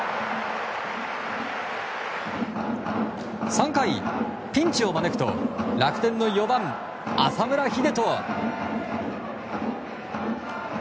３回、ピンチを招くと楽天の４番、浅村栄斗。